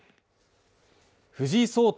藤井聡太